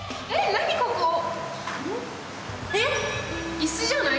椅子じゃない？